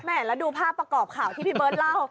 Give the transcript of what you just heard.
แล้วดูภาพประกอบข่าวที่พี่เบิร์ตเล่า